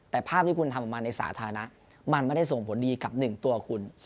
แต่ภาพที่คุณทำออกมาในสาธารณะมันไม่ได้ส่งผลดีกับ๑ตัวคุณ